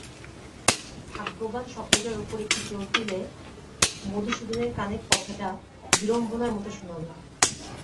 ভাগ্যবান শব্দটার উপর একটু জোর দিলে– মধুসূদনের কানে কথাটা বিড়ম্বনার মতো শোনাল।